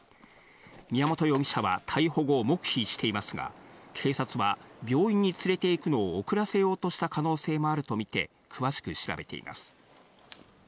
宮本容疑者は逮捕後、黙秘していますが、警察は病院に連れていくのを遅らせようとした可能性もあるとみて詳しく調べています。